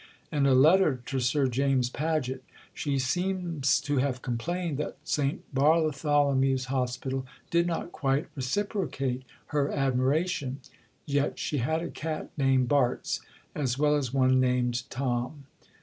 In a letter to Sir James Paget, she seems to have complained that St. Bartholomew's Hospital did not quite reciprocate her admiration; yet she had a cat named Barts as well as one named Tom.